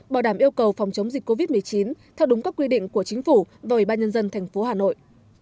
bảo đảm yêu cầu phòng chống dịch covid một mươi chín theo đúng các quy định của chính phủ và ủy ban nhân dân tp hà nội